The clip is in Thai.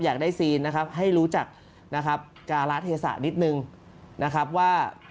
อยากได้ซีนนะครับให้รู้จักนะครับการาเทศะนิดนึงนะครับว่า